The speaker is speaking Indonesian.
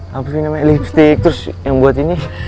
lapsin lipstick terus yang buat ini